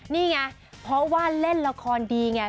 นี่ไงเพราะว่าเล่นละครดีไง